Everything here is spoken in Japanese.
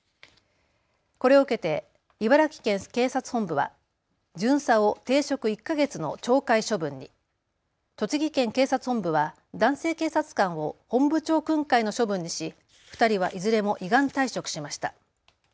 これを受けて茨城県警察本部は巡査を停職１か月の懲戒処分に、栃木県警察本部は男性警察官を本部長訓戒の処分にし、２人はいずれも依願退職しました。